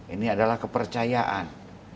ini adalah kepercayaan